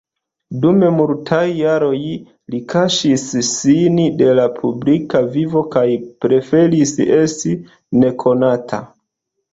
Dum multaj jaroj li kaŝis sin de la publika vivo kaj preferis esti nekonata.